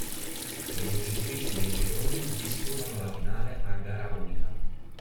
Le vincitrici dei gironi disputano la finale a gara unica.